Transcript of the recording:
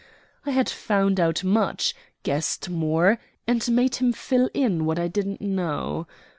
I had found out much, guessed more, and made him fill in what I didn't know.